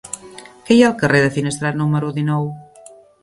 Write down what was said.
Què hi ha al carrer de Finestrat número dinou?